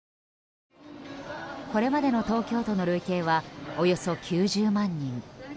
これまでの東京都の累計はおよそ９０万人。